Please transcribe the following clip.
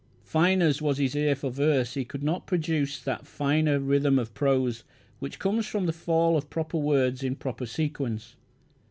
Fine as was his ear for verse he could not produce that finer rhythm of prose, which comes from the fall of proper words in proper sequence.